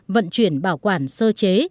vận chuyển bảo quản sơ chế